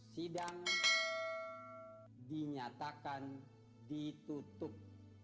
sidang dinyatakan ditutup